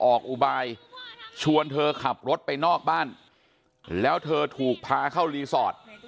อุบายชวนเธอขับรถไปนอกบ้านแล้วเธอถูกพาเข้ารีสอร์ท